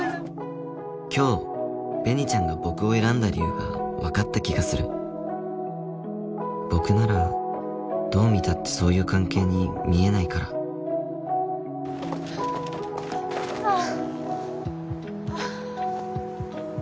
今日紅ちゃんが僕を選んだ理由が分かった気がする僕ならどう見たってそういう関係に見えないからハァハァ。